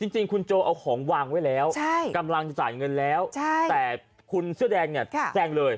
จริงคุณโจเอาของวางไว้แล้วกำลังจะจ่ายเงินแล้วแต่คุณเสื้อแดงเนี่ยแซงเลย